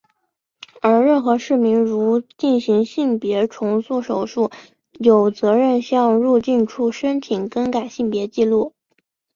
而任何市民如进行性别重塑手术有责任向入境处申请更改性别纪录。